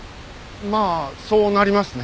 まあそうなりますね。